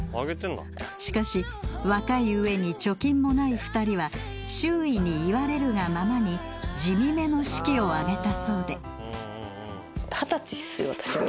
しかし若い上に貯金もない２人は周囲に言われるがままに地味めの式を挙げたそうで。